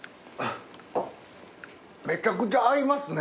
めちゃくちゃ合いますね。